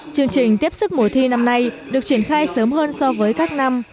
chương trình tiếp sức mùa thi năm nay được triển khai sớm hơn so với các năm